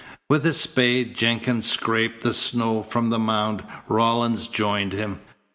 With a spade Jenkins scraped the snow from the mound. Rawlins joined him.